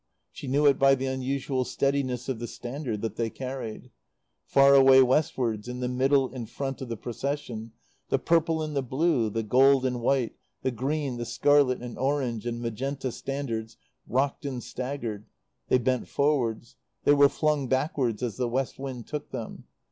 She knew it by the unusual steadiness of the standard that they carried. Far away westwards, in the middle and front of the Procession, the purple and the blue, the gold and white, the green, the scarlet and orange and magenta standards rocked and staggered; they bent forwards; they were flung backwards as the west wind took them.